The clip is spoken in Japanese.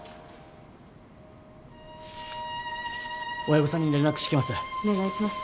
親御さんに連絡してきます。